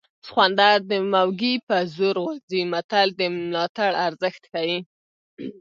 سخوندر د موږي په زور غورځي متل د ملاتړ ارزښت ښيي